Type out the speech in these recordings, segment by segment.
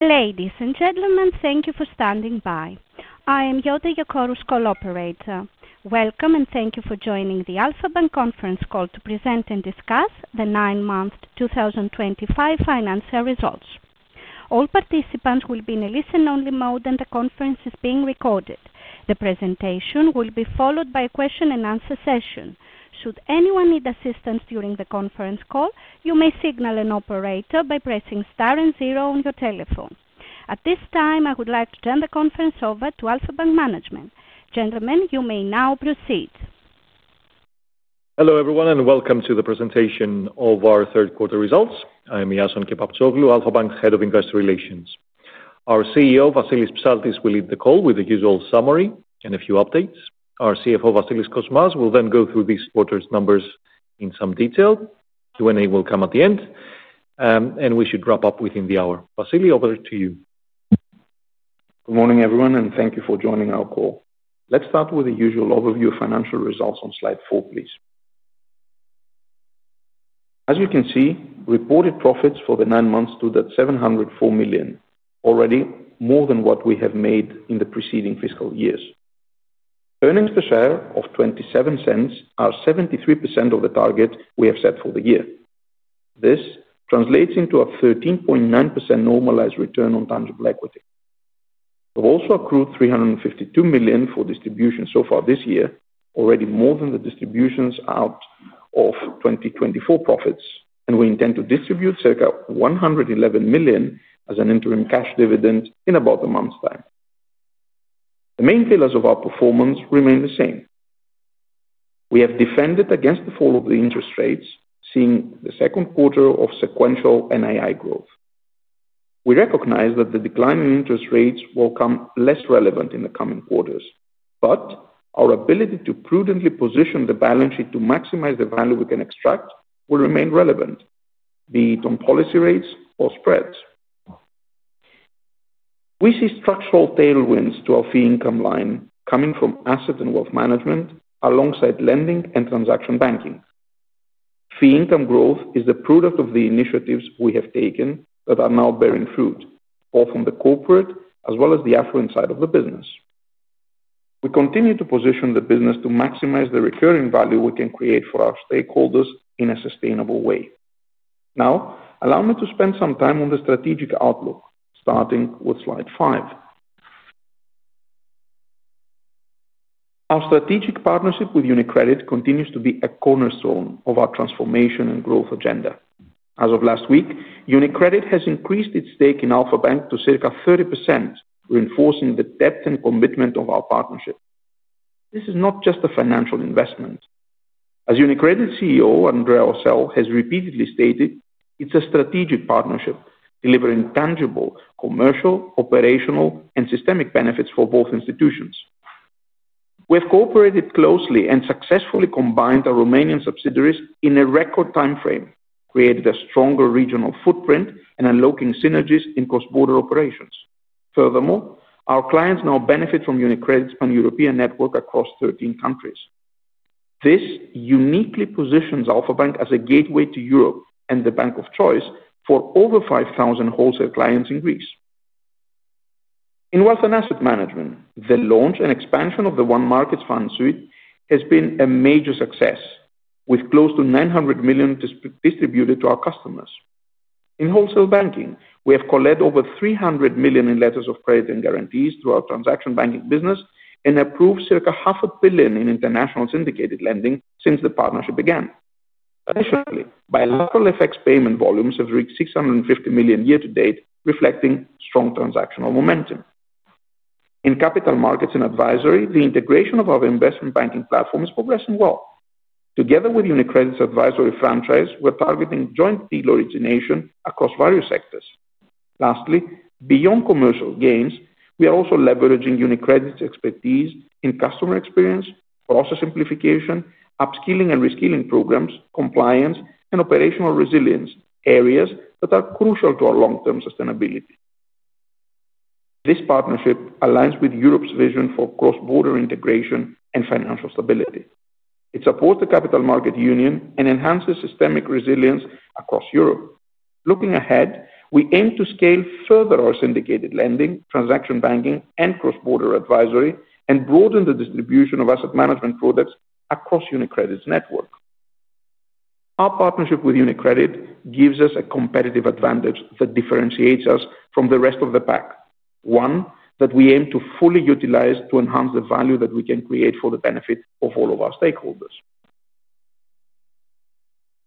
Ladies and gentlemen, thank you for standing by. I am Jotta Jokorus, call operator. Welcome and thank you for joining the Alpha Bank conference call to present and discuss the nine month 2025 financial results. All participants will be in a listen-only mode, and the conference is being recorded. The presentation will be followed by a question-and-answer session. Should anyone need assistance during the conference call, you may signal an operator by pressing star and zero on your telephone. At this time, I would like to turn the conference over to Alpha Bank Management. Gentlemen, you may now proceed. Hello everyone and welcome to the presentation of our third quarter results. I am Iason Kepaptsoglou, Alpha Bank's Head of Investor Relations. Our CEO, Vassilios Psaltis, will lead the call with the usual summary and a few updates. Our CFO, Vassilios Kosmas, will then go through this quarter's numbers in some detail. Q&A will come at the end, and we should wrap up within the hour. Vassilios, over to you. Good morning everyone and thank you for joining our call. Let's start with the usual overview of financial results on slide four, please. As you can see, reported profits for the nine months stood at 704 million, already more than what we have made in the preceding fiscal years. Earnings per share of 0.27 are 73% of the target we have set for the year. This translates into a 13.9% normalized return on tangible equity. We've also accrued 352 million for distributions so far this year, already more than the distributions out of 2024 profits, and we intend to distribute circa 111 million as an interim cash dividend in about a month's time. The main pillars of our performance remain the same. We have defended against the fall of the interest rates, seeing the second quarter of sequential NII growth. We recognize that the decline in interest rates will become less relevant in the coming quarters, but our ability to prudently position the balance sheet to maximize the value we can extract will remain relevant, be it on policy rates or spreads. We see structural tailwinds to our fee income line coming from asset and wealth management alongside lending and transaction banking. Fee income growth is the product of the initiatives we have taken that are now bearing fruit, both on the corporate as well as the affluent side of the business. We continue to position the business to maximize the recurring value we can create for our stakeholders in a sustainable way. Now, allow me to spend some time on the strategic outlook, starting with slide five. Our strategic partnership with UniCredit continues to be a cornerstone of our transformation and growth agenda. As of last week, UniCredit has increased its stake in Alpha Bank to circa 30%, reinforcing the depth and commitment of our partnership. This is not just a financial investment. As UniCredit CEO, Andrea Orcel, has repeatedly stated, it's a strategic partnership delivering tangible commercial, operational, and systemic benefits for both institutions. We have cooperated closely and successfully combined our Romanian subsidiaries in a record time frame, created a stronger regional footprint, and unlocking synergies in cross-border operations. Furthermore, our clients now benefit from UniCredit's pan-European network across 13 countries. This uniquely positions Alpha Bank as a gateway to Europe and the bank of choice for over 5,000 wholesale clients in Greece. In wealth and asset management, the launch and expansion of the onemarkets Fund suite has been a major success, with close to 900 million distributed to our customers. In wholesale banking, we have collated over 300 million in letters of credit and guarantees through our transaction banking business and approved circa 500 million in international syndicated lending since the partnership began. Additionally, bilateral FX payment volumes have reached 650 million year to date, reflecting strong transactional momentum. In capital markets and advisory, the integration of our investment banking platform is progressing well. Together with UniCredit's advisory franchise, we're targeting joint deal origination across various sectors. Lastly, beyond commercial gains, we are also leveraging UniCredit's expertise in customer experience, process simplification, upskilling and reskilling programs, compliance, and operational resilience, areas that are crucial to our long-term sustainability. This partnership aligns with Europe's vision for cross-border integration and financial stability. It supports the capital market union and enhances systemic resilience across Europe. Looking ahead, we aim to scale further our syndicated lending, transaction banking, and cross-border advisory, and broaden the distribution of asset management products across UniCredit's network. Our partnership with UniCredit gives us a competitive advantage that differentiates us from the rest of the pack, one that we aim to fully utilize to enhance the value that we can create for the benefit of all of our stakeholders.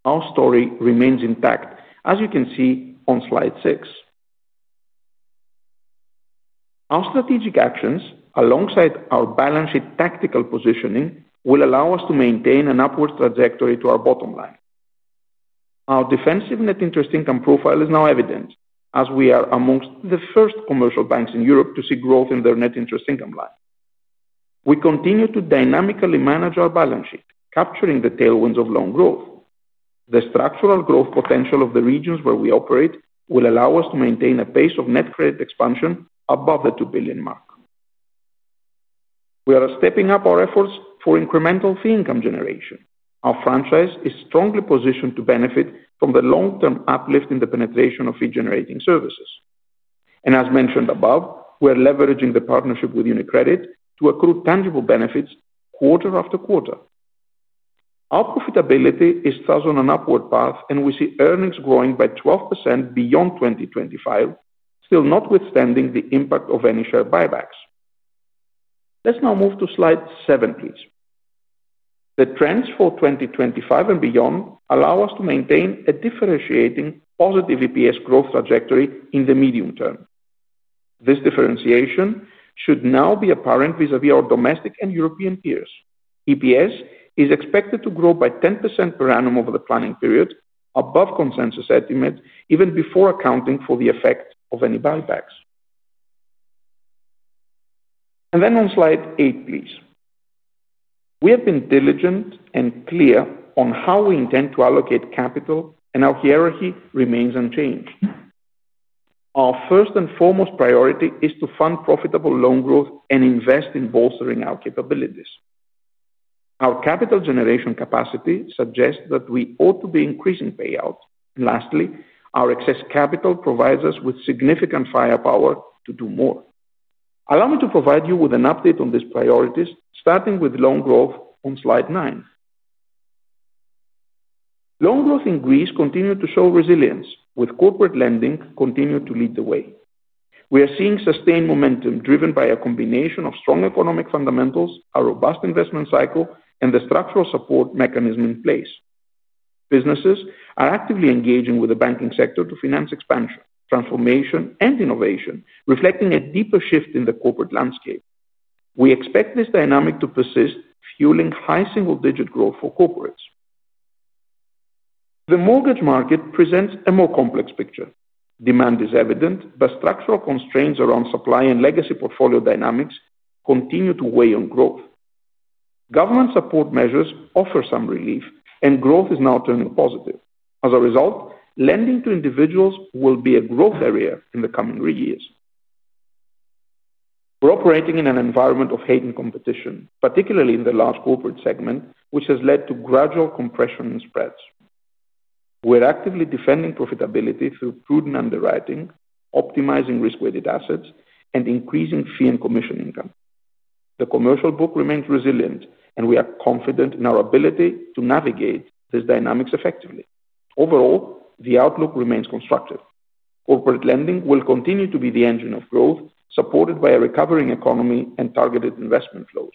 Our story remains intact, as you can see on slide six. Our strategic actions, alongside our balance sheet tactical positioning, will allow us to maintain an upward trajectory to our bottom line. Our defensive net interest income profile is now evident, as we are amongst the first commercial banks in Europe to see growth in their net interest income line. We continue to dynamically manage our balance sheet, capturing the tailwinds of loan growth. The structural growth potential of the regions where we operate will allow us to maintain a pace of net credit expansion above the 2 billion mark. We are stepping up our efforts for incremental fee income generation. Our franchise is strongly positioned to benefit from the long-term uplift in the penetration of fee-generating services. As mentioned above, we are leveraging the partnership with UniCredit to accrue tangible benefits quarter after quarter. Our profitability is still on an upward path, and we see earnings growing by 12% beyond 2025, still notwithstanding the impact of any share buybacks. Let's now move to slide seven, please. The trends for 2025 and beyond allow us to maintain a differentiating positive EPS growth trajectory in the medium term. This differentiation should now be apparent vis-à-vis our domestic and European peers. EPS is expected to grow by 10% per annum over the planning period, above consensus estimates, even before accounting for the effect of any buybacks. On slide eight, please. We have been diligent and clear on how we intend to allocate capital, and our hierarchy remains unchanged. Our first and foremost priority is to fund profitable loan growth and invest in bolstering our capabilities. Our capital generation capacity suggests that we ought to be increasing payouts. Lastly, our excess capital provides us with significant firepower to do more. Allow me to provide you with an update on these priorities, starting with loan growth on slide nine. Loan growth in Greece continued to show resilience, with corporate lending continuing to lead the way. We are seeing sustained momentum driven by a combination of strong economic fundamentals, a robust investment cycle, and the structural support mechanism in place. Businesses are actively engaging with the banking sector to finance expansion, transformation, and innovation, reflecting a deeper shift in the corporate landscape. We expect this dynamic to persist, fueling high single-digit growth for corporates. The mortgage market presents a more complex picture. Demand is evident, but structural constraints around supply and legacy portfolio dynamics continue to weigh on growth. Government support measures offer some relief, and growth is now turning positive. As a result, lending to individuals will be a growth area in the coming years. We're operating in an environment of heightened competition, particularly in the large corporate segment, which has led to gradual compression in spreads. We're actively defending profitability through prudent underwriting, optimizing risk-weighted assets, and increasing fee and commission income. The commercial book remains resilient, and we are confident in our ability to navigate these dynamics effectively. Overall, the outlook remains constructive. Corporate lending will continue to be the engine of growth, supported by a recovering economy and targeted investment flows.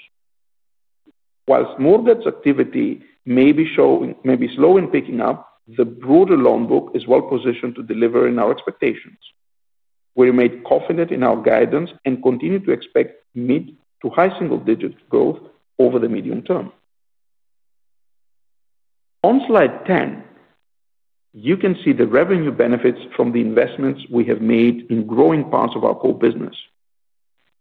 Whilst mortgage activity may be slow in picking up, the broader loan book is well positioned to deliver on our expectations. We remain confident in our guidance and continue to expect mid to high single-digit growth over the medium term. On slide ten, you can see the revenue benefits from the investments we have made in growing parts of our core business.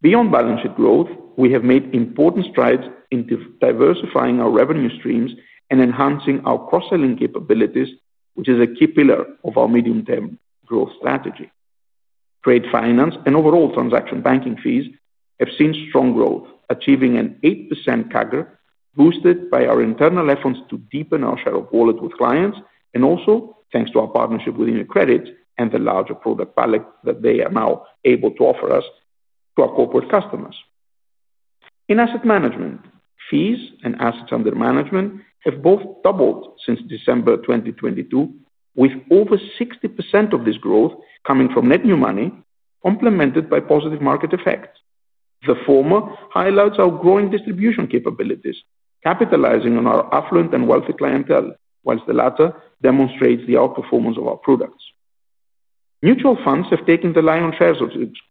Beyond balance sheet growth, we have made important strides in diversifying our revenue streams and enhancing our cross-selling capabilities, which is a key pillar of our medium-term growth strategy. Trade finance and overall transaction banking fees have seen strong growth, achieving an 8% CAGR, boosted by our internal efforts to deepen our share of wallet with clients, and also thanks to our partnership with UniCredit and the larger product palette that they are now able to offer us to our corporate customers. In asset management, fees and assets under management have both doubled since December 2022, with over 60% of this growth coming from net new money complemented by positive market effects. The former highlights our growing distribution capabilities, capitalizing on our affluent and wealthy clientele, whilst the latter demonstrates the outperformance of our products. Mutual funds have taken the lion's share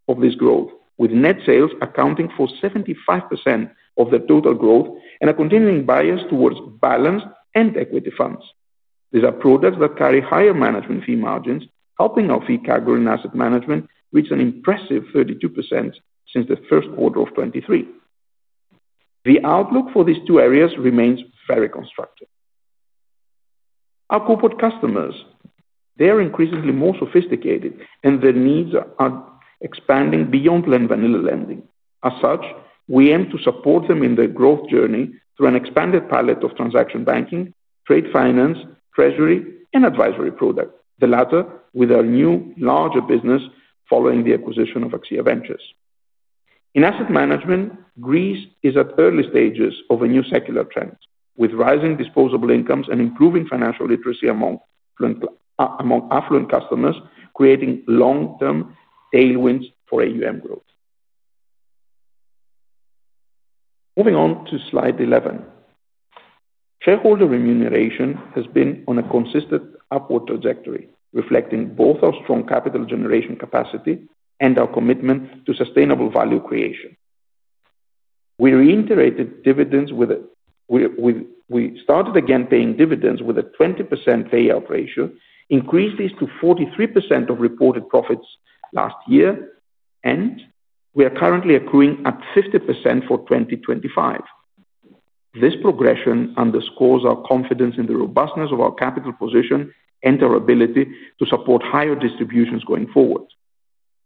of this growth, with net sales accounting for 75% of the total growth and a continuing bias towards balanced and equity funds. These are products that carry higher management fee margins, helping our fee CAGR in asset management reach an impressive 32% since the first quarter of 2023. The outlook for these two areas remains very constructive. Our corporate customers, they are increasingly more sophisticated, and their needs are expanding beyond plain vanilla lending. As such, we aim to support them in their growth journey through an expanded palette of transaction banking, trade finance, treasury, and advisory products, the latter with our new larger business following the acquisition of AXIA Ventures. In asset management, Greece is at early stages of a new secular trend, with rising disposable incomes and improving financial literacy among affluent customers, creating long-term tailwinds for AUM growth. Moving on to slide 11, shareholder remuneration has been on a consistent upward trajectory, reflecting both our strong capital generation capacity and our commitment to sustainable value creation. We reiterated dividends with a—we started again paying dividends with a 20% payout ratio, increased this to 43% of reported profits last year, and we are currently accruing at 50% for 2025. This progression underscores our confidence in the robustness of our capital position and our ability to support higher distributions going forward.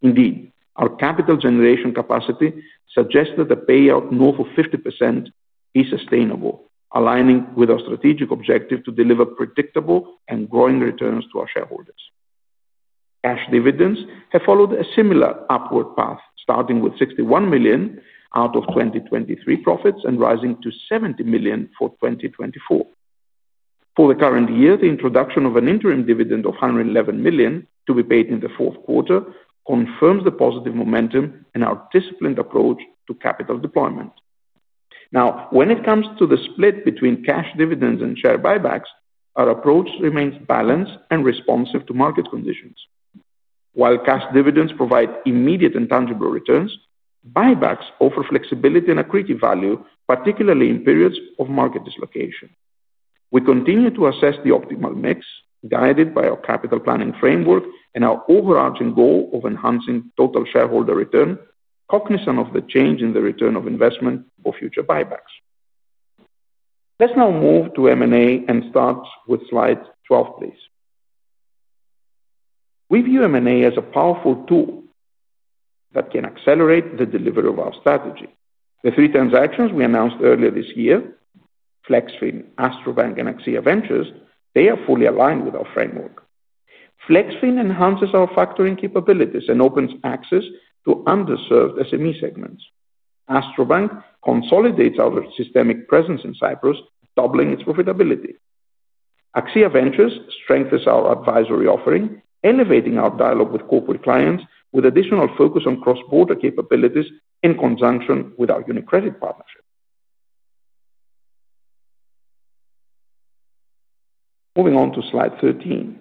Indeed, our capital generation capacity suggests that a payout north of 50% is sustainable, aligning with our strategic objective to deliver predictable and growing returns to our shareholders. Cash dividends have followed a similar upward path, starting with 61 million out of 2023 profits and rising to 70 million for 2024. For the current year, the introduction of an interim dividend of 111 million to be paid in the fourth quarter confirms the positive momentum and our disciplined approach to capital deployment. Now, when it comes to the split between cash dividends and share buybacks, our approach remains balanced and responsive to market conditions. While cash dividends provide immediate and tangible returns, buybacks offer flexibility and accretive value, particularly in periods of market dislocation. We continue to assess the optimal mix, guided by our capital planning framework and our overarching goal of enhancing total shareholder return, cognizant of the change in the return of investment or future buybacks. Let's now move to M&A and start with slide 12, please. We view M&A as a powerful tool that can accelerate the delivery of our strategy. The three transactions we announced earlier this year, FlexFIN, Astra Bank, and AXIA Ventures, they are fully aligned with our framework. FlexFIN enhances our factoring capabilities and opens access to underserved SME segments. Astra Bank consolidates our systemic presence in Cyprus, doubling its profitability. AXIA Ventures strengthens our advisory offering, elevating our dialogue with corporate clients, with additional focus on cross-border capabilities in conjunction with our UniCredit partnership. Moving on to slide 13.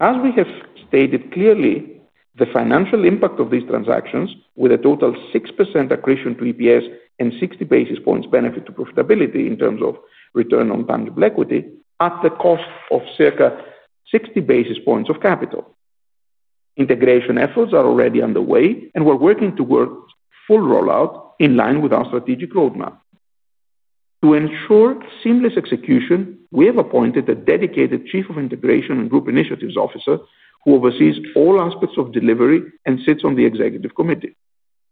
As we have stated clearly, the financial impact of these transactions, with a total 6% accretion to EPS and 60 basis points benefit to profitability in terms of return on tangible equity, at the cost of circa 60 basis points of capital. Integration efforts are already underway, and we're working towards full rollout in line with our strategic roadmap. To ensure seamless execution, we have appointed a dedicated Chief of Integration and Group Initiatives Officer who oversees all aspects of delivery and sits on the executive committee.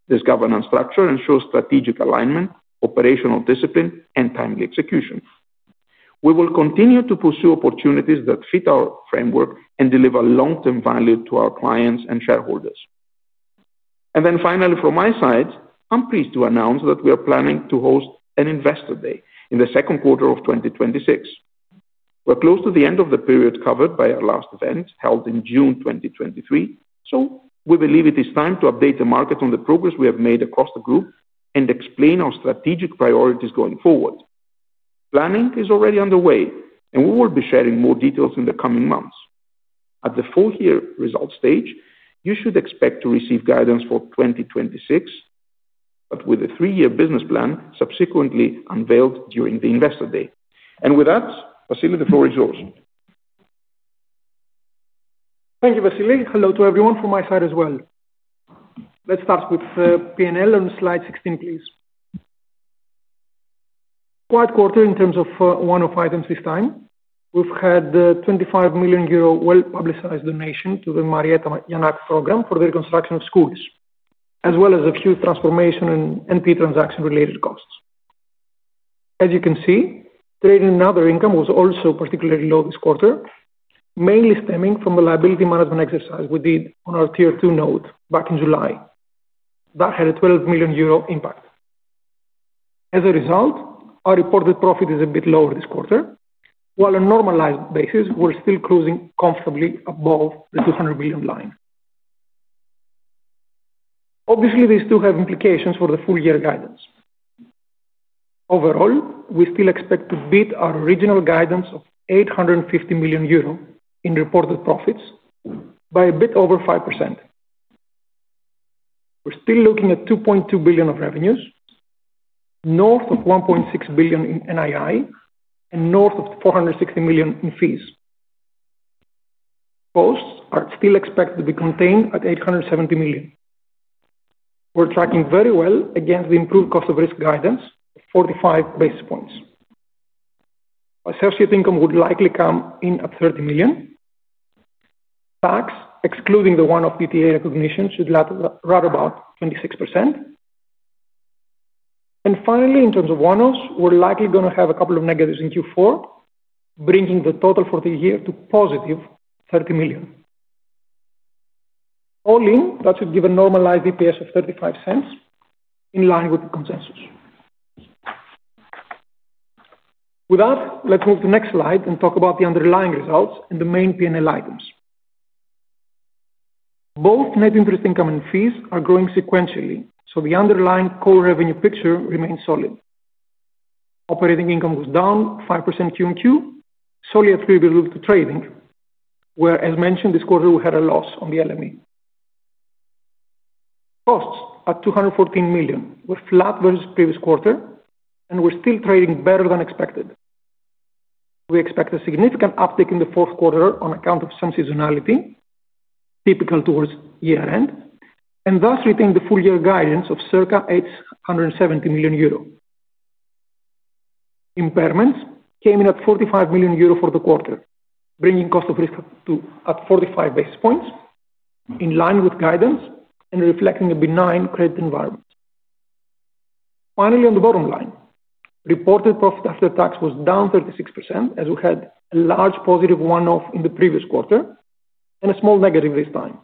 This governance structure ensures strategic alignment, operational discipline, and timely execution. We will continue to pursue opportunities that fit our framework and deliver long-term value to our clients and shareholders. Finally, from my side, I'm pleased to announce that we are planning to host an Investor Day in the second quarter of 2026. We're close to the end of the period covered by our last event held in June 2023, so we believe it is time to update the market on the progress we have made across the group and explain our strategic priorities going forward. Planning is already underway, and we will be sharing more details in the coming months. At the full-year result stage, you should expect to receive guidance for 2026, but with a three-year business plan subsequently unveiled during the Investor Day. With that, Vassilios, the floor is yours. Thank you, Vassilios. Hello to everyone from my side as well. Let's start with P&L on slide 16, please. Quiet quarter in terms of one-off items this time. We've had a 25 million euro well-publicized donation to the Marietta Giannakou program for the reconstruction of schools, as well as a few transformation and NP transaction-related costs. As you can see, trading and other income was also particularly low this quarter, mainly stemming from the liability management exercise we did on our tier two note back in July. That had a 12 million euro impact. As a result, our reported profit is a bit lower this quarter, while on a normalized basis, we're still closing comfortably above the 200 million line. Obviously, these two have implications for the full-year guidance. Overall, we still expect to beat our original guidance of 850 million euro in reported profits by a bit over 5%. We're still looking at 2.2 billion of revenues, north of 1.6 billion in NII, and north of 460 million in fees. Costs are still expected to be contained at 870 million. We're tracking very well against the improved cost of risk guidance of 45 basis points. Associate income would likely come in at 30 million. Tax, excluding the one-off ETA recognition, should rat about 26%. Finally, in terms of one-offs, we're likely going to have a couple of negatives in Q4, bringing the total for the year to +30 million. All in, that should give a normalized EPS of 0.35, in line with the consensus. With that, let's move to the next slide and talk about the underlying results and the main P&L items. Both net interest income and fees are growing sequentially, so the underlying core revenue picture remains solid. Operating income was down 5% QoQ, solely attributable to trading, where, as mentioned, this quarter we had a loss on the LME. Costs at 214 million were flat versus previous quarter, and we're still trading better than expected. We expect a significant uptick in the fourth quarter on account of some seasonality, typical towards year-end, and thus retain the full-year guidance of circa 870 million euro. Impairments came in at 45 million euro for the quarter, bringing cost of risk up to 45 basis points, in line with guidance and reflecting a benign credit environment. Finally, on the bottom line, reported profit after tax was down 36%, as we had a large positive one-off in the previous quarter and a small negative this time.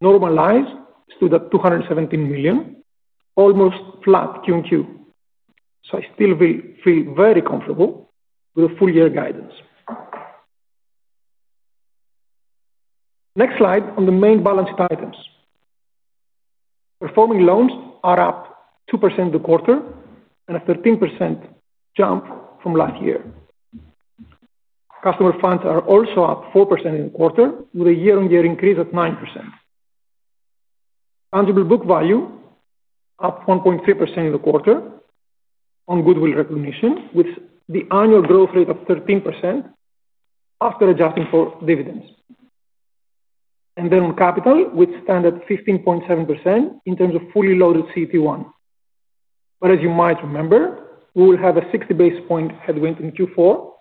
Normalized stood at 217 million, almost flat QoQ, so I still feel very comfortable with the full-year guidance. Next slide on the main balance sheet items. Performing loans are up 2% in the quarter and a 13% jump from last year. Customer funds are also up 4% in the quarter, with a year-on-year increase at 9%. Tangible book value up 1.3% in the quarter on goodwill recognition, with the annual growth rate of 13% after adjusting for dividends. On capital, we stand at 15.7% in terms of fully loaded CET1. As you might remember, we will have a 60 basis point headwind in Q4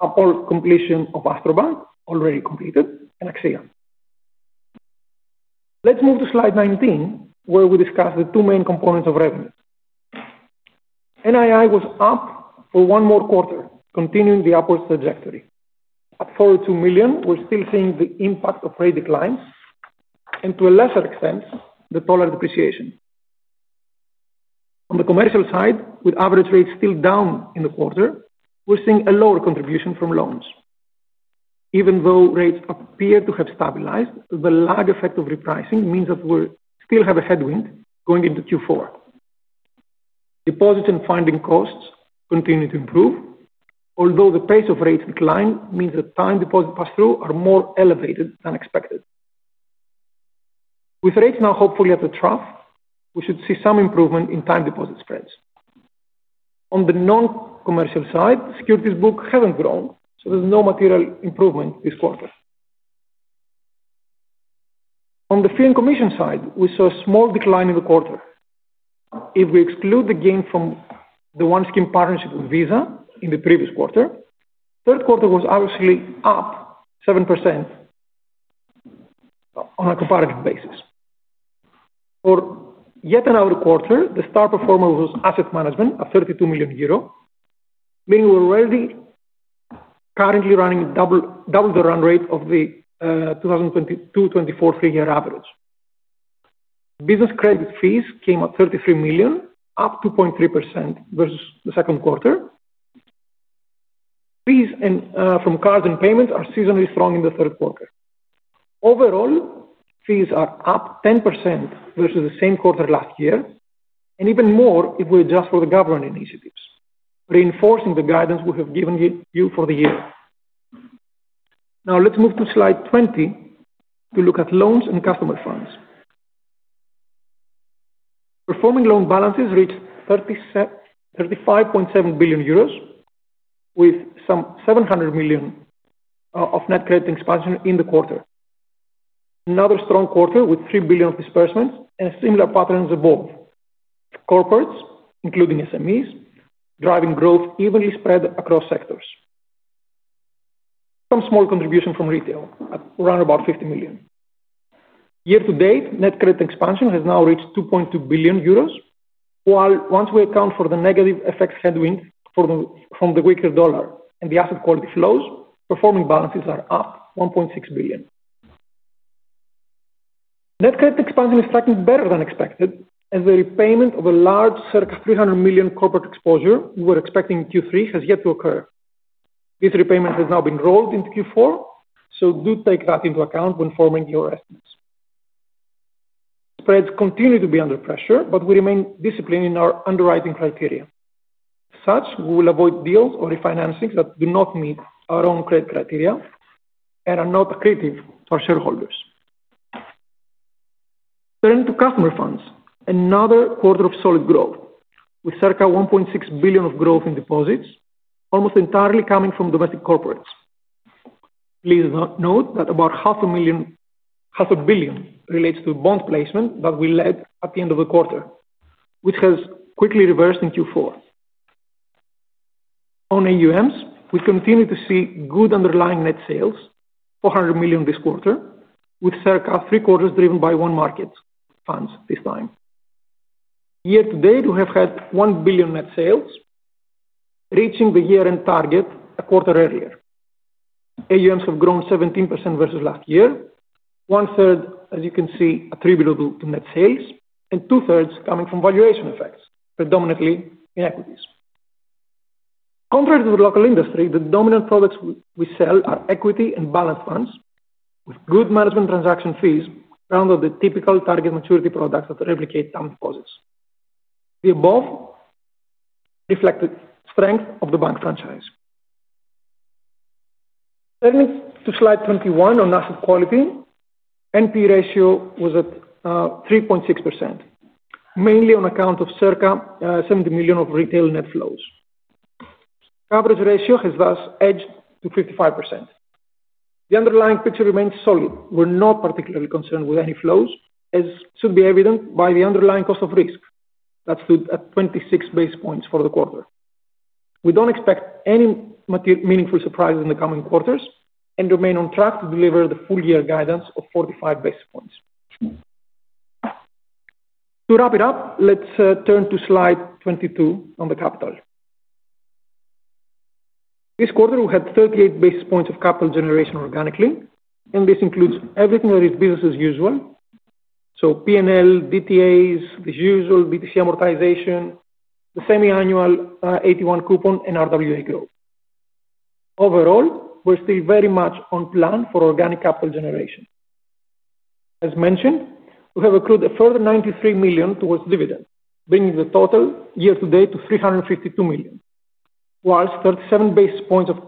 upon completion of Astra Bank, already completed, and AXIA. Let's move to slide 19, where we discuss the two main components of revenue. NII was up for one more quarter, continuing the upward trajectory. At 42 million, we're still seeing the impact of rate declines and, to a lesser extent, the dollar depreciation. On the commercial side, with average rates still down in the quarter, we're seeing a lower contribution from loans. Even though rates appear to have stabilized, the lag effect of repricing means that we still have a headwind going into Q4. Deposits and funding costs continue to improve, although the pace of rate decline means that time deposits pass-through are more elevated than expected. With rates now hopefully at the trough, we should see some improvement in time deposit spreads. On the non-commercial side, securities book have not grown, so there is no material improvement this quarter. On the fee and commission side, we saw a small decline in the quarter. If we exclude the gain from the OneSkim partnership with Visa in the previous quarter, third quarter was actually up 7% on a comparative basis. For yet another quarter, the star performer was asset management of 32 million euro, meaning we are already currently running double the run rate of the 2022-2024 three-year average. Business credit fees came at 33 million, up 2.3% versus the second quarter. Fees from cards and payments are seasonally strong in the third quarter. Overall, fees are up 10% versus the same quarter last year, and even more if we adjust for the government initiatives, reinforcing the guidance we have given you for the year. Now, let's move to slide 20 to look at loans and customer funds. Performing loan balances reached 35.7 billion euros, with some 700 million of net credit expansion in the quarter. Another strong quarter with 3 billion of disbursements and similar patterns above. Corporates, including SMEs, driving growth evenly spread across sectors. Some small contribution from retail at around about 50 million. Year-to-date, net credit expansion has now reached 2.2 billion euros, while once we account for the negative effects headwind from the weaker dollar and the asset quality flows, performing balances are up 1.6 billion. Net credit expansion is tracking better than expected, as the repayment of a large circa 300 million corporate exposure we were expecting in Q3 has yet to occur. This repayment has now been rolled into Q4, so do take that into account when forming your estimates. Spreads continue to be under pressure, but we remain disciplined in our underwriting criteria. As such, we will avoid deals or refinancings that do not meet our own credit criteria and are not accretive to our shareholders. Turning to customer funds, another quarter of solid growth, with circa 1.6 billion of growth in deposits, almost entirely coming from domestic corporates. Please note that about 500 million relates to bond placement that we led at the end of the quarter, which has quickly reversed in Q4. On AUMs, we continue to see good underlying net sales, 400 million this quarter, with circa three quarters driven by one-market funds this time. Year-to-date, we have had 1 billion net sales, reaching the year-end target a quarter earlier. AUMs have grown 17% versus last year, one-third, as you can see, attributable to net sales, and two-thirds coming from valuation effects, predominantly in equities. Contrary to the local industry, the dominant products we sell are equity and balance funds, with good management transaction fees rounded the typical target maturity products that replicate term deposits. The above reflect the strength of the bank franchise. Turning to slide 21 on asset quality, NP ratio was at 3.6%, mainly on account of circa 70 million of retail net flows. Coverage ratio has thus edged to 55%. The underlying picture remains solid. We're not particularly concerned with any flows, as should be evident by the underlying cost of risk that stood at 26 basis points for the quarter. We don't expect any meaningful surprises in the coming quarters and remain on track to deliver the full-year guidance of 45 basis points. To wrap it up, let's turn to slide 22 on the capital. This quarter, we had 38 basis points of capital generation organically, and this includes everything that is business as usual, so P&L, DTAs, the usual BTC amortization, the semi-annual 81 coupon, and RWA growth. Overall, we're still very much on plan for organic capital generation. As mentioned, we have accrued a further 93 million towards dividend, bringing the total year-to-date to 352 million, whilst 37 basis points of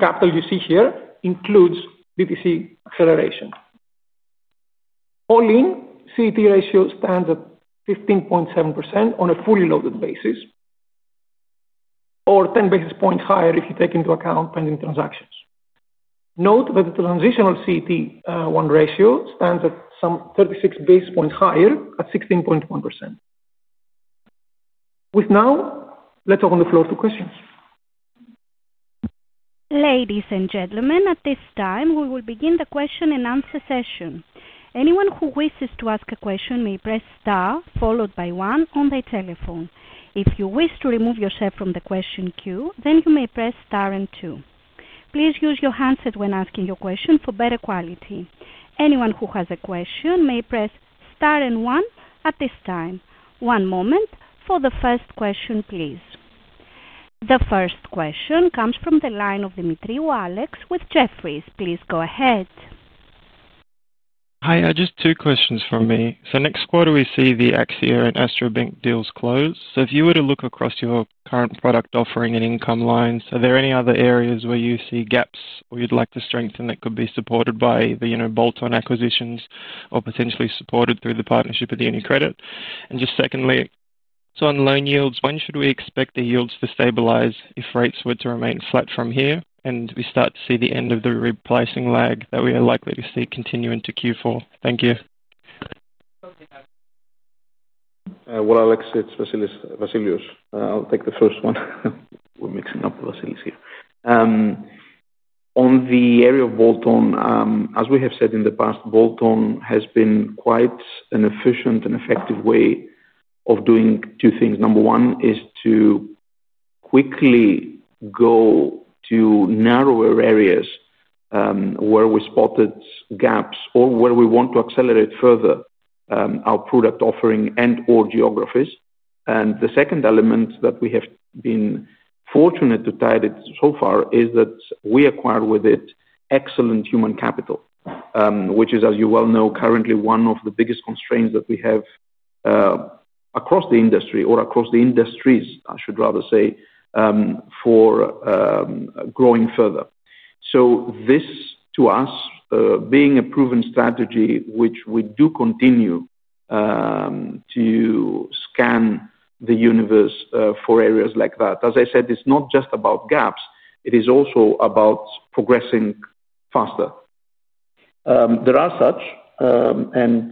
capital you see here includes BTC acceleration. All in, CET1 ratio stands at 15.7% on a fully loaded basis, or 10 basis points higher if you take into account pending transactions. Note that the transitional CET1 ratio stands at some 36 basis points higher at 16.1%. With that, let's open the floor to questions. Ladies and gentlemen, at this time, we will begin the question and answer session. Anyone who wishes to ask a question may press star followed by one on their telephone. If you wish to remove yourself from the question queue, then you may press star and two. Please use your handset when asking your question for better quality. Anyone who has a question may press star and one at this time. One moment for the first question, please. The first question comes from the line of Demetriou Alex with Jefferies. Please go ahead. Hi, just two questions from me. Next quarter, we see the AXIA and Astra Bank deals close. If you were to look across your current product offering and income lines, are there any other areas where you see gaps or you would like to strengthen that could be supported by the bolt-on acquisitions or potentially supported through the partnership with UniCredit? Just secondly, on loan yields, when should we expect the yields to stabilize if rates were to remain flat from here and we start to see the end of the replacing lag that we are likely to see continue into Q4? Thank you. What Alex said, Vasilios, I will take the first one. We are mixing up the Vasilios here. On the area of bolt-on, as we have said in the past, bolt-on has been quite an efficient and effective way of doing two things. Number one is to quickly go to narrower areas where we spotted gaps or where we want to accelerate further our product offering and/or geographies. The second element that we have been fortunate to tie in so far is that we acquired with it excellent human capital, which is, as you well know, currently one of the biggest constraints that we have across the industry or across the industries, I should rather say, for growing further. This, to us, being a proven strategy, which we do continue to scan the universe for areas like that. As I said, it is not just about gaps. It is also about progressing faster. There are such, and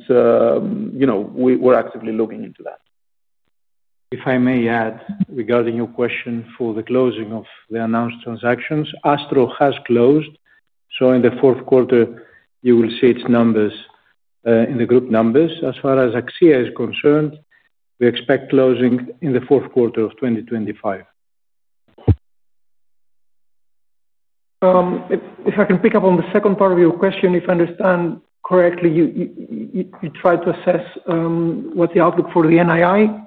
we are actively looking into that. If I may add regarding your question for the closing of the announced transactions, Astra has closed, so in the fourth quarter, you will see its numbers in the group numbers. As far as AXIA is concerned, we expect closing in the fourth quarter of 2025. If I can pick up on the second part of your question, if I understand correctly, you tried to assess what the outlook for the NII.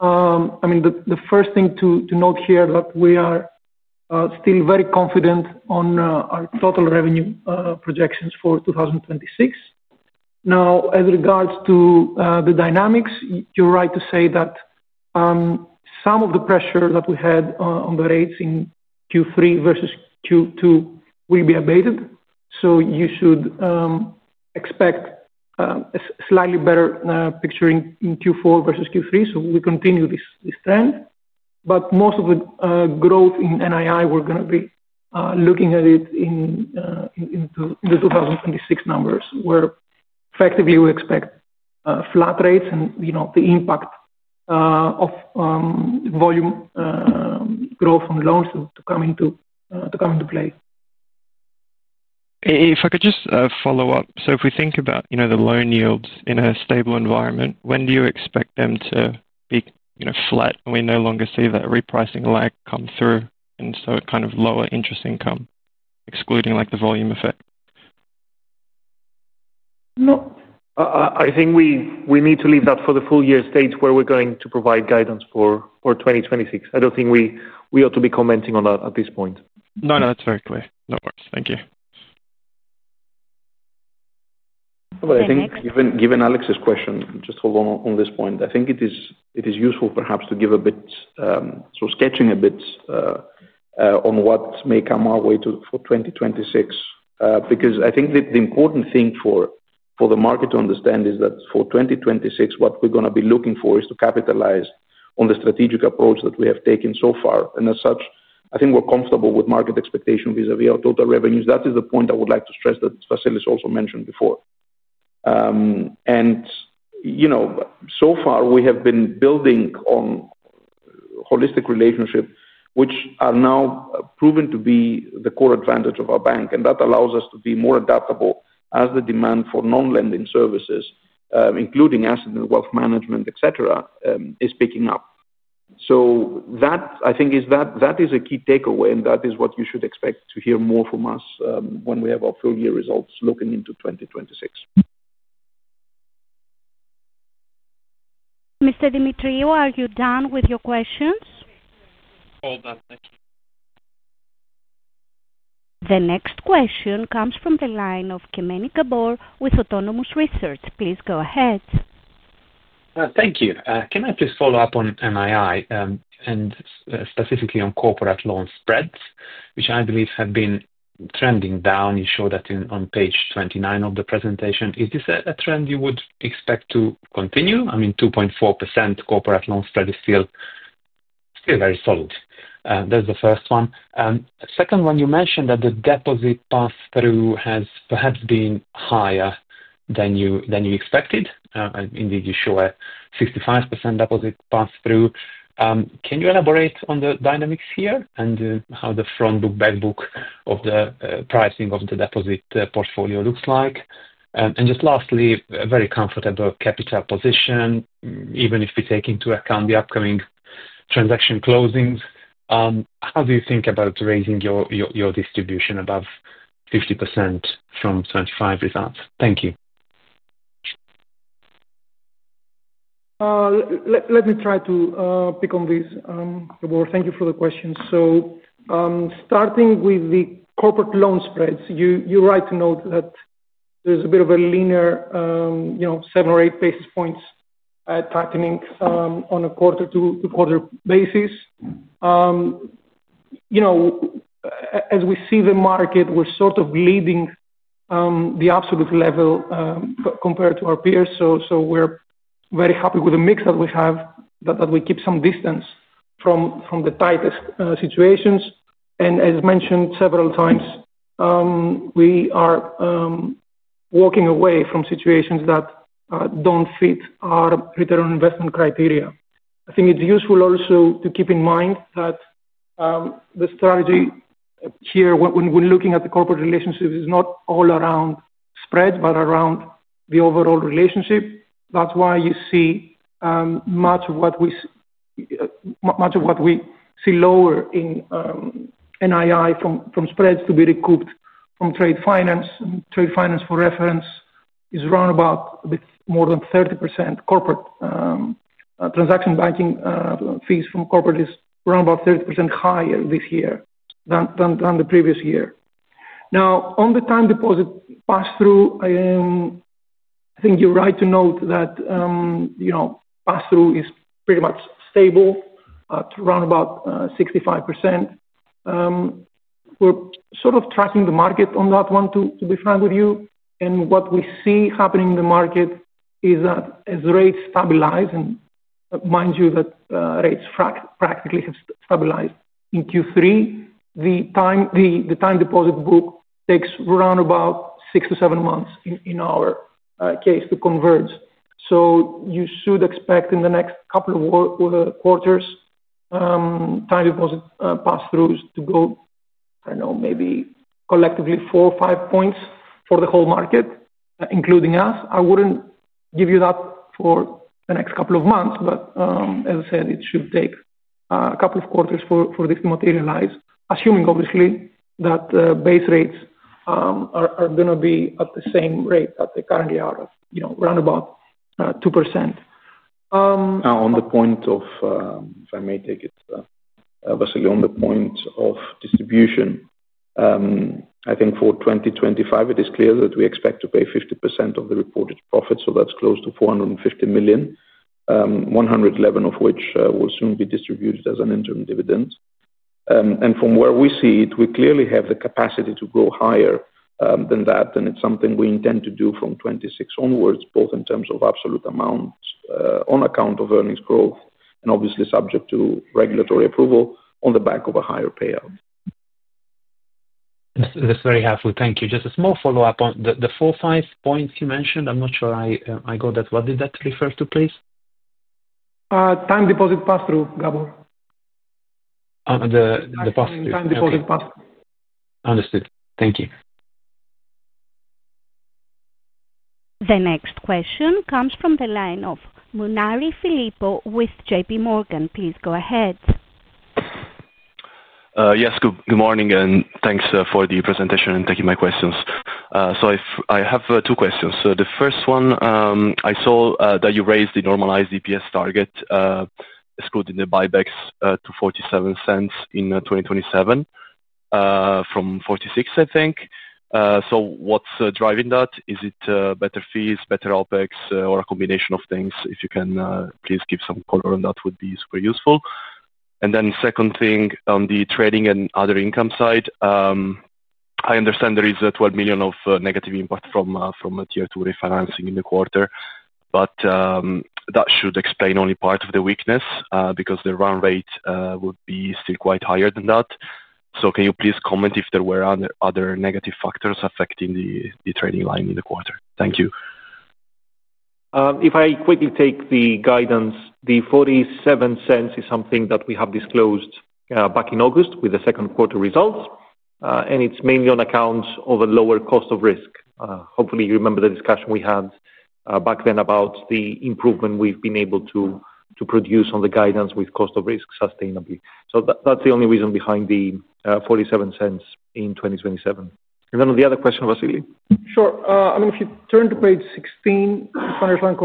I mean, the first thing to note here is that we are still very confident on our total revenue projections for 2026. Now, as regards to the dynamics, you're right to say that some of the pressure that we had on the rates in Q3 versus Q2 will be abated, so you should expect a slightly better picture in Q4 versus Q3, so we continue this trend. Most of the growth in NII, we're going to be looking at it in the 2026 numbers, where effectively we expect flat rates and the impact of volume growth on loans to come into play. If I could just follow up, so if we think about the loan yields in a stable environment, when do you expect them to be flat and we no longer see that repricing lag come through and so kind of lower interest income, excluding the volume effect? I think we need to leave that for the full-year stage where we're going to provide guidance for 2026. I do not think we ought to be commenting on that at this point. No, no, that's very clear. No worries. Thank you. I think given Alex's question, just hold on this point, I think it is useful perhaps to give a bit, so sketching a bit on what may come our way for 2026, because I think the important thing for the market to understand is that for 2026, what we're going to be looking for is to capitalize on the strategic approach that we have taken so far. As such, I think we're comfortable with market expectation vis-à-vis our total revenues. That is the point I would like to stress that Vasilios also mentioned before. So far, we have been building on holistic relationships, which are now proven to be the core advantage of our bank, and that allows us to be more adaptable as the demand for non-lending services, including asset and wealth management, etc., is picking up. That, I think, is a key takeaway, and that is what you should expect to hear more from us when we have our full-year results looking into 2026. Mr. Demetriou, are you done with your questions? All done. Thank you. The next question comes from the line of Kemeny Gabor with Autonomous Research. Please go ahead. Thank you. Can I just follow up on NII and specifically on corporate loan spreads, which I believe have been trending down? You showed that on page 29 of the presentation. Is this a trend you would expect to continue? I mean, 2.4% corporate loan spread is still very solid. That is the first one. Second one, you mentioned that the deposit pass-through has perhaps been higher than you expected. Indeed, you show a 65% deposit pass-through. Can you elaborate on the dynamics here and how the front book, back book of the pricing of the deposit portfolio looks like? And just lastly, a very comfortable capital position, even if we take into account the upcoming transaction closings. How do you think about raising your distribution above 50% from 2025 results? Thank you. Let me try to pick on this. Gabor. Thank you for the question. Starting with the corporate loan spreads, you're right to note that there's a bit of a linear seven or eight basis points tightening on a quarter-to-quarter basis. As we see the market, we're sort of leading the absolute level compared to our peers, so we're very happy with the mix that we have, that we keep some distance from the tightest situations. As mentioned several times, we are walking away from situations that don't fit our return on investment criteria. I think it's useful also to keep in mind that the strategy here, when we're looking at the corporate relationships, is not all around spreads but around the overall relationship. That's why you see much of what we see lower in NII from spreads to be recouped from trade finance. Trade finance, for reference, is round about a bit more than 30%. Corporate transaction banking fees from corporate is round about 30% higher this year than the previous year. Now, on the time deposit pass-through, I think you're right to note that pass-through is pretty much stable at round about 65%. We're sort of tracking the market on that one, to be frank with you. What we see happening in the market is that as rates stabilize, and mind you that rates practically have stabilized in Q3, the time deposit book takes around about six to seven months in our case to converge. You should expect in the next couple of quarters time deposit pass-throughs to go, I do not know, maybe collectively 4-5 points for the whole market, including us. I would not give you that for the next couple of months, but as I said, it should take a couple of quarters for this to materialize, assuming, obviously, that base rates are going to be at the same rate that they currently are, around about 2%. On the point of, if I may take it, Vasilios, on the point of distribution, I think for 2025, it is clear that we expect to pay 50% of the reported profits, so that's close to 450 million, 111 million of which will soon be distributed as an interim dividend. From where we see it, we clearly have the capacity to grow higher than that, and it's something we intend to do from 2026 onwards, both in terms of absolute amounts on account of earnings growth and obviously subject to regulatory approval on the back of a higher payout. That's very helpful. Thank you. Just a small follow-up on the four, five points you mentioned. I'm not sure I got that. What did that refer to, please? Time deposit pass-through, Gabor. The pass-through. Time deposit pass-through. Understood. Thank you. The next question comes from the line of Munari Filippo with JPMorgan. Please go ahead. Yes, good morning, and thanks for the presentation and taking my questions. I have two questions. The first one, I saw that you raised the normalized EPS target, excluding the buybacks, to 0.47 in 2027 from 0.46, I think. What is driving that? Is it better fees, better OpEx, or a combination of things? If you can please give some color on that, it would be super useful. The second thing, on the trading and other income side, I understand there is a 12 million negative input from tier two refinancing in the quarter, but that should explain only part of the weakness because the run rate would be still quite higher than that. Can you please comment if there were other negative factors affecting the trading line in the quarter? Thank you. If I quickly take the guidance, the 0.47 is something that we have disclosed back in August with the second quarter results, and it's mainly on account of a lower cost of risk. Hopefully, you remember the discussion we had back then about the improvement we've been able to produce on the guidance with cost of risk sustainably. That's the only reason behind the 0.47 in 2027. On the other question, Vasilios. Sure. I mean, if you turn to page 16, if I understand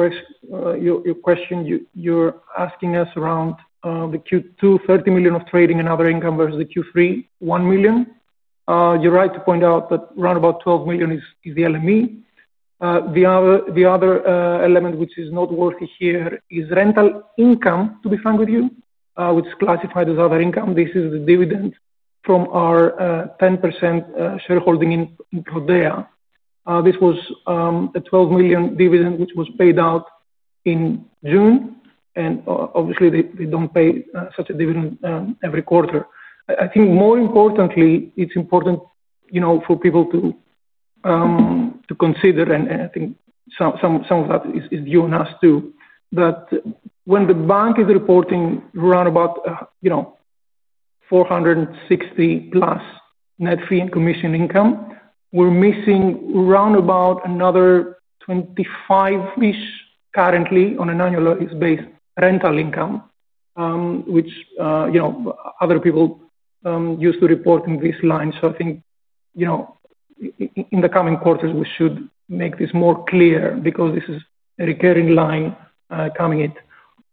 your question, you're asking us around the Q2, 30 million of trading and other income versus the Q3, 1 million. You're right to point out that round about 12 million is the LME. The other element, which is noteworthy here, is rental income, to be frank with you, which is classified as other income. This is the dividend from our 10% shareholding in Prodea. This was a 12 million dividend, which was paid out in June, and obviously, they do not pay such a dividend every quarter. I think more importantly, it is important for people to consider, and I think some of that is due on us too, that when the bank is reporting round about 460 million plus net fee and commission income, we are missing round about another 25 million-ish currently on an annualized base rental income, which other people used to report in this line. I think in the coming quarters, we should make this more clear because this is a recurring line coming in.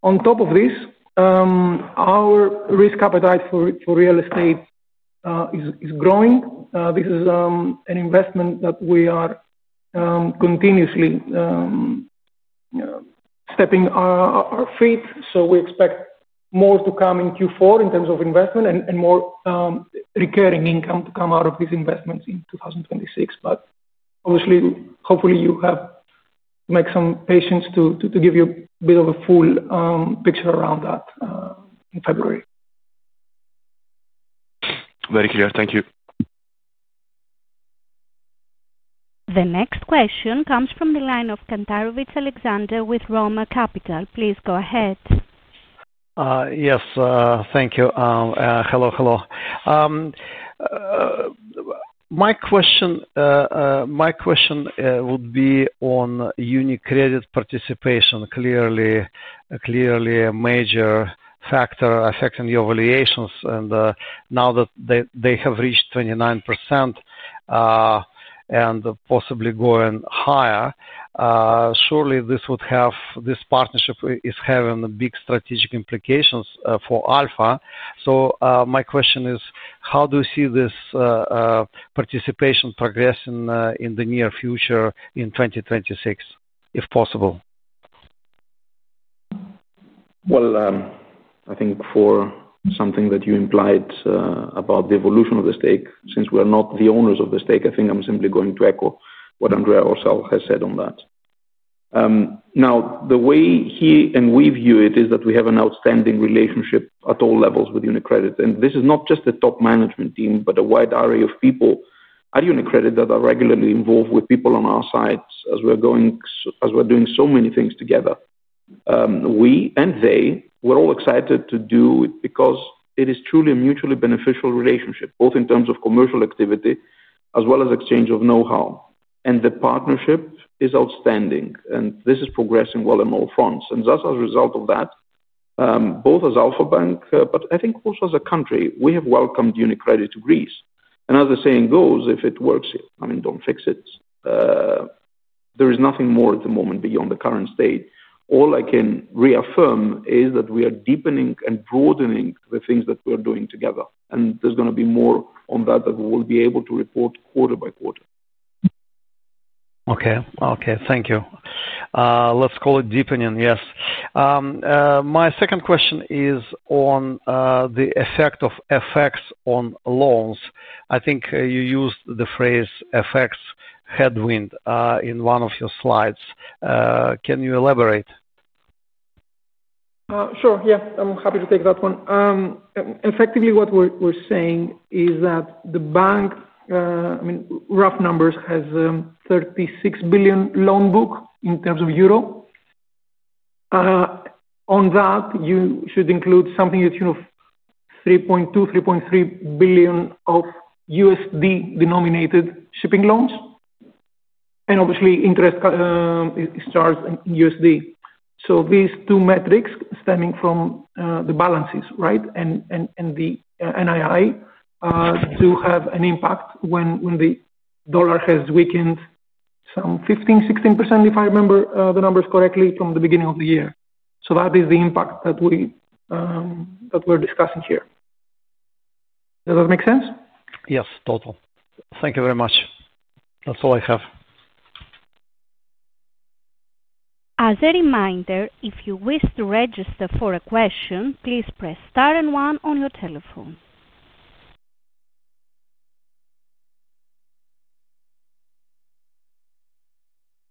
On top of this, our risk appetite for real estate is growing. This is an investment that we are continuously stepping our feet, so we expect more to come in Q4 in terms of investment and more recurring income to come out of these investments in 2026. Obviously, hopefully, you have to make some patience to give you a bit of a full picture around that in February. Very clear. Thank you. The next question comes from the line of Kantarovich Alexander with Roemer Capital. Please go ahead. Yes. Thank you. Hello, hello. My question would be on UniCredit participation. Clearly, a major factor affecting your valuations, and now that they have reached 29% and possibly going higher, surely this partnership is having big strategic implications for Alpha. My question is, how do you see this participation progressing in the near future in 2026, if possible? I think for something that you implied about the evolution of the stake, since we are not the owners of the stake, I think I'm simply going to echo what Andrea also has said on that. The way he and we view it is that we have an outstanding relationship at all levels with UniCredit. This is not just the top management team, but a wide array of people at UniCredit that are regularly involved with people on our sides as we're doing so many things together. We and they, we're all excited to do it because it is truly a mutually beneficial relationship, both in terms of commercial activity as well as exchange of know-how. The partnership is outstanding, and this is progressing well on all fronts. Thus, as a result of that, both as Alpha Bank, but I think also as a country, we have welcomed UniCredit to Greece. As the saying goes, if it works, I mean, do not fix it. There is nothing more at the moment beyond the current state. All I can reaffirm is that we are deepening and broadening the things that we are doing together. There is going to be more on that that we will be able to report quarter by quarter. Okay. Okay. Thank you. Let us call it deepening, yes. My second question is on the effect of FX on loans. I think you used the phrase FX headwind in one of your slides. Can you elaborate? Sure. Yeah. I am happy to take that one. Effectively, what we're saying is that the bank, I mean, rough numbers, has a 36 billion loan book in terms of euro. On that, you should include something between EUR 3.2-EUR 3.3 billion of USD denominated shipping loans. And obviously, interest is charged in USD. These two metrics stemming from the balances, right, and the NII do have an impact when the dollar has weakened some 15%-16%, if I remember the numbers correctly, from the beginning of the year. That is the impact that we're discussing here. Does that make sense? Yes, total. Thank you very much. That's all I have. As a reminder, if you wish to register for a question, please press star and one on your telephone.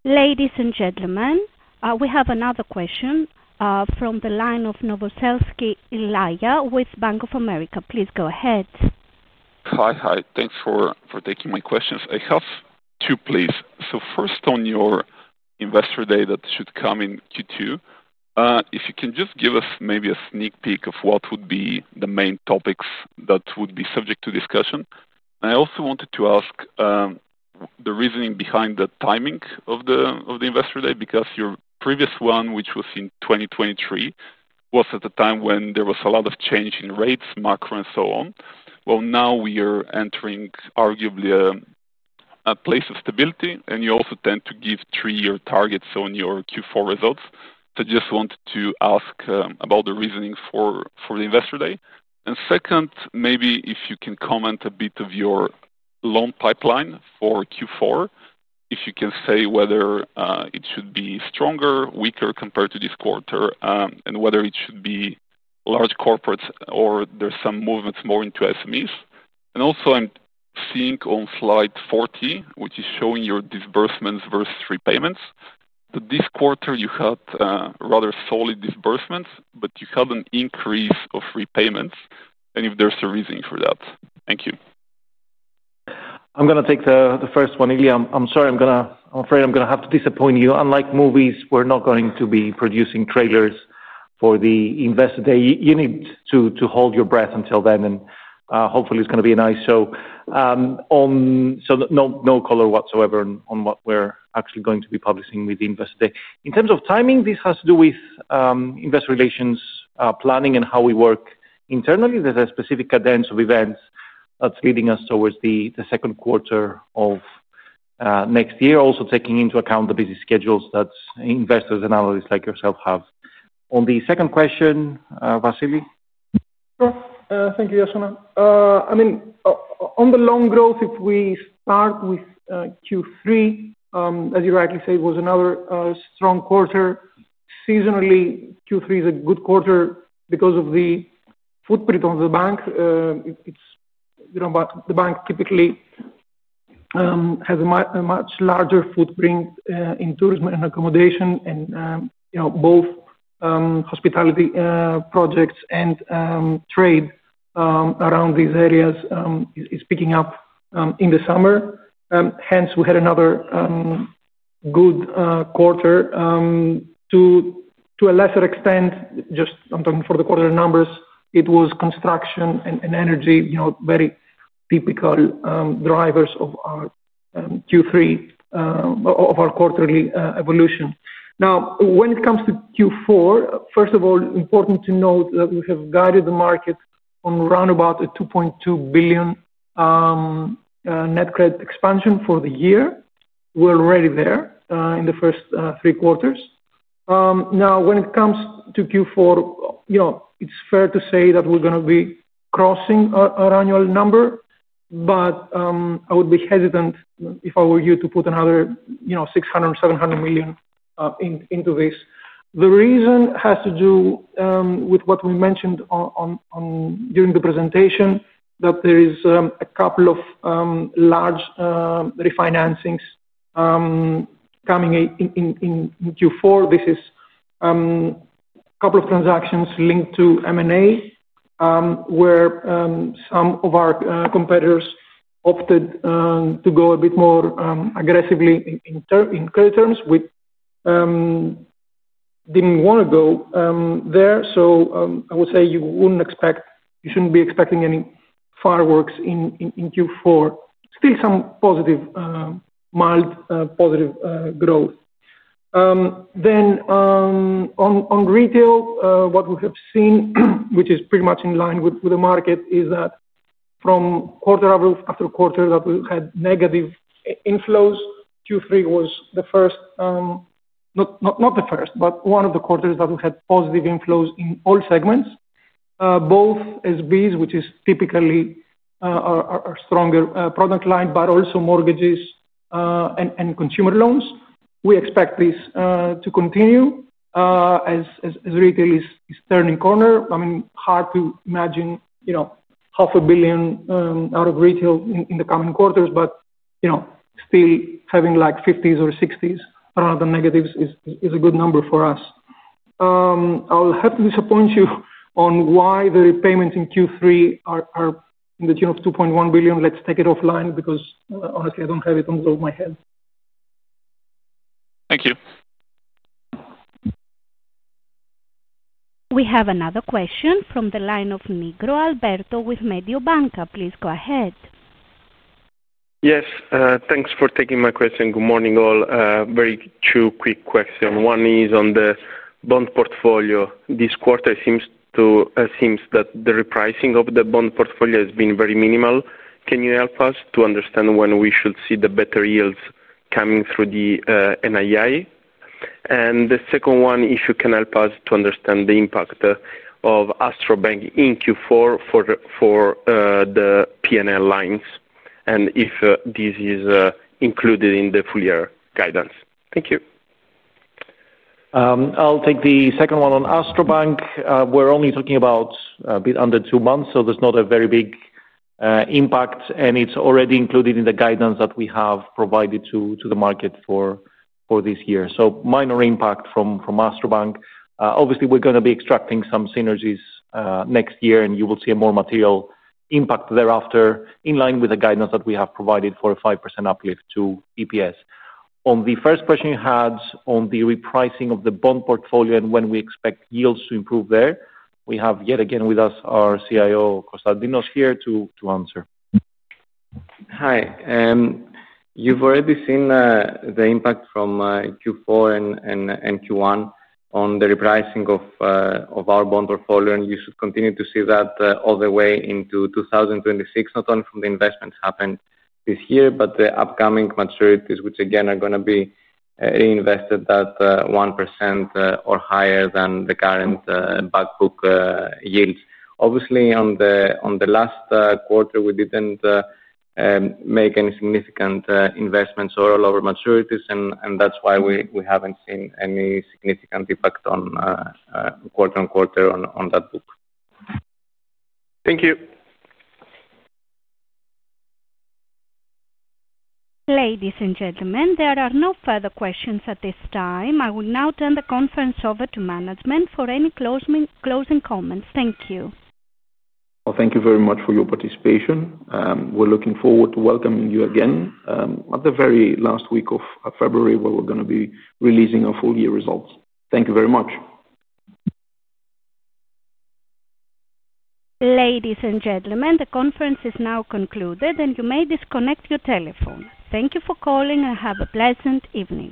Ladies and gentlemen, we have another question from the line of Novosselsky Ilija with Bank of America. Please go ahead. Hi, hi. Thanks for taking my questions. I have two, please. First, on your investor day that should come in Q2, if you can just give us maybe a sneak peek of what would be the main topics that would be subject to discussion. I also wanted to ask the reasoning behind the timing of the investor day because your previous one, which was in 2023, was at a time when there was a lot of change in rates, macro, and so on. Now we are entering arguably a place of stability, and you also tend to give three-year targets on your Q4 results. I just wanted to ask about the reasoning for the investor day. Second, maybe if you can comment a bit on your loan pipeline for Q4, if you can say whether it should be stronger or weaker compared to this quarter, and whether it should be large corporates or if there are some movements more into SMEs. Also, I am seeing on slide 40, which is showing your disbursements versus repayments, that this quarter you had rather solid disbursements, but you had an increase of repayments. If there is a reasoning for that. Thank you. I am going to take the first one, Ilija. I am sorry. I am afraid I am going to have to disappoint you. Unlike movies, we are not going to be producing trailers for the investor day. You need to hold your breath until then, and hopefully, it is going to be a nice show. No color whatsoever on what we are actually going to be publishing with the investor day. In terms of timing, this has to do with investor relations planning and how we work internally. There is a specific cadence of events that is leading us towards the second quarter of next year, also taking into account the busy schedules that investors and analysts like yourself have. On the second question, Vasili. Sure. Thank you, Vassilios. I mean, on the loan growth, if we start with Q3, as you rightly say, it was another strong quarter. Seasonally, Q3 is a good quarter because of the footprint of the bank. The bank typically has a much larger footprint in tourism and accommodation, and both hospitality projects and trade around these areas is picking up in the summer. Hence, we had another good quarter. To a lesser extent, just for the quarter numbers, it was construction and energy, very typical drivers of our Q3, of our quarterly evolution. Now, when it comes to Q4, first of all, important to note that we have guided the market on around 2.2 billion net credit expansion for the year. We're already there in the first three quarters. Now, when it comes to Q4, it's fair to say that we're going to be crossing our annual number, but I would be hesitant if I were you to put another 600- 700 million into this. The reason has to do with what we mentioned during the presentation, that there is a couple of large refinancings coming in Q4. This is a couple of transactions linked to M&A where some of our competitors opted to go a bit more aggressively in credit terms, which we did not want to go there. I would say you should not be expecting any fireworks in Q4. Still some mild positive growth. On retail, what we have seen, which is pretty much in line with the market, is that from quarter after quarter that we had negative inflows. Q3 was not the first, but one of the quarters that we had positive inflows in all segments, both SBs, which is typically our stronger product line, but also mortgages and consumer loans. We expect this to continue as retail is turning a corner. I mean, hard to imagine 500 million out of retail in the coming quarters, but still having like 50%s or 60%s rather than negatives is a good number for us. I'll have to disappoint you on why the repayments in Q3 are in the tune of 2.1 billion. Let's take it offline because, honestly, I don't have it on the top of my head. Thank you. We have another question from the line of Alberto Nigro with Mediobanca. Please go ahead. Yes. Thanks for taking my question. Good morning, all. Very two quick questions. One is on the bond portfolio. This quarter seems that the repricing of the bond portfolio has been very minimal. Can you help us to understand when we should see the better yields coming through the NII? And the second one is you can help us to understand the impact of Astra Bank in Q4 for the P&L lines and if this is included in the full year guidance. Thank you. I'll take the second one on Astra Bank. We're only talking about a bit under two months, so there's not a very big impact, and it's already included in the guidance that we have provided to the market for this year. So minor impact from Astra Bank. Obviously, we're going to be extracting some synergies next year, and you will see a more material impact thereafter in line with the guidance that we have provided for a 5% uplift to EPS. On the first question you had on the repricing of the bond portfolio and when we expect yields to improve there, we have yet again with us our CIO, Konstantinos, here to answer. Hi. You've already seen the impact from Q4 and Q1 on the repricing of our bond portfolio, and you should continue to see that all the way into 2026, not only from the investments happened this year, but the upcoming maturities, which again are going to be reinvested at 1% or higher than the current backbook yields. Obviously, on the last quarter, we didn't make any significant investments or all our maturities, and that's why we haven't seen any significant impact quarter on quarter on that book. Thank you. Ladies and gentlemen, there are no further questions at this time. I will now turn the conference over to management for any closing comments. Thank you. Thank you very much for your participation. We're looking forward to welcoming you again at the very last week of February where we're going to be releasing our full year results. Thank you very much. Ladies and gentlemen, the conference is now concluded, and you may disconnect your telephone. Thank you for calling and have a pleasant evening.